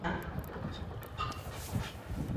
دلته د جمجمې د عبادت مراسمو په اړه شواهد شته